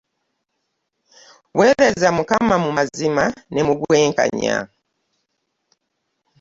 Wereaza mukama mu mazima nemubwenknya .